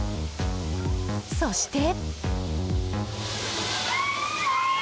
そして。